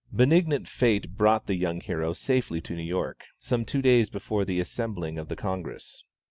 Benignant fate brought the young hero safely to New York, some two days before the assembling of the Congress.